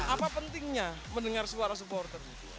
apa pentingnya mendengar suara supporter